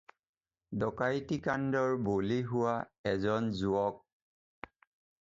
ডকাইতি কাণ্ডৰ বলি হোৱা এজন যুৱক।